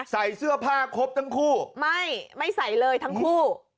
ใส่เสื้อผ้าครบทั้งคู่ไม่ไม่ใส่เลยทั้งคู่